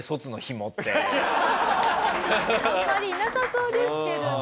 あんまりいなさそうですけどね。